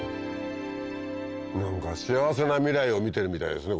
何か幸せな未来を見てるみたいですね